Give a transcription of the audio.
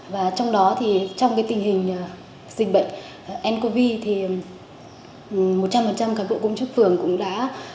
và trong đó thì trong cái tình hình dịch bệnh ncov thì một trăm linh cán bộ công chức phường cũng đã